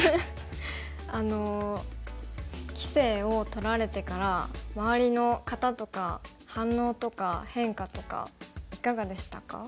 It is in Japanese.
あの棋聖を取られてから周りの方とか反応とか変化とかいかがでしたか？